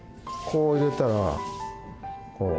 こう入れたらこう。